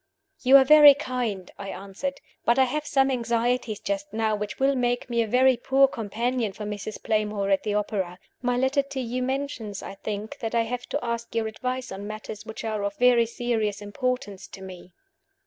"You are very kind," I answered. "But I have some anxieties just now which will make me a very poor companion for Mrs. Playmore at the opera. My letter to you mentions, I think, that I have to ask your advice on matters which are of very serious importance to me."